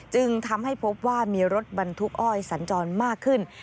จึงทำให้พบว่ามีรถบรรทุกอ้อยสัญจรมากขึ้น